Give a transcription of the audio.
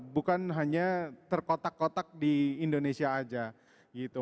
bukan hanya terkotak kotak di indonesia aja gitu